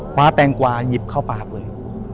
คว้าแตงกว่ายิบเข้าปากเลย